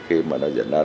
khi mà nó diễn ra